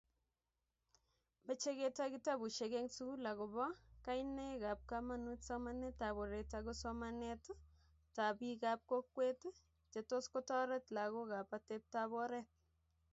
meche ketoy kitabushek engsugul agoba kaineagobo kamanuut somaneetab oretago somanetab biikapkokwet chetoskotoret lagookago ateptaporet